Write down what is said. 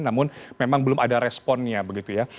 namun memang belum ada responnya begitu ya